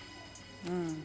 うん。